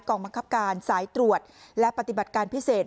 บังคับการสายตรวจและปฏิบัติการพิเศษ